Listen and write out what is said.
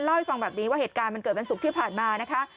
เล่าให้ฟังแบบนี้ว่าเหตุการณ์มันเกิดวันศุกร์ที่ผ่านมานะคะ